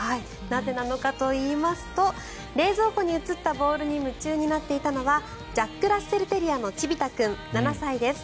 なぜなのかといいますと冷蔵庫に映ったボールに夢中になっていたのはジャックラッセルテリアのチビ太君、７歳です。